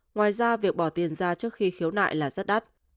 ngoài ra việc bỏ tiền ra trước khi khiếu nại là rất đắt